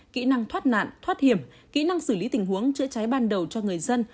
kỹ năng thoát nạn thoát hiểm kỹ năng xử lý tình huống chữa cháy ban đầu cho người dân